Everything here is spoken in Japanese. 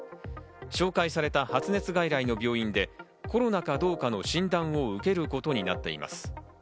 紹介された発熱外来の病院でコロナか、どうかの診断を受けることになっています。